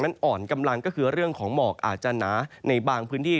อ่อนกำลังก็คือเรื่องของหมอกอาจจะหนาในบางพื้นที่